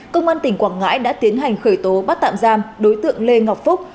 công an tỉnh quảng ngãi đã tiến hành khởi tố bắt tạm giam đối tượng lê ngọc phúc